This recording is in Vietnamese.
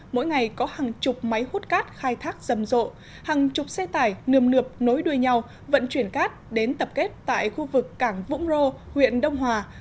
mỗi ngày có hàng chục máy hút cát khai thác rầm rộ hàng chục xe tải nườm nượp nối đuôi nhau vận chuyển cát đến tập kết tại khu vực cảng vũng rô huyện đông hòa